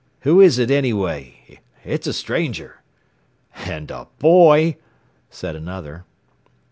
"Who is it, anyway? It's a stranger!" "And a boy!" said another.